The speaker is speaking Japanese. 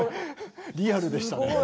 リアルでしたね。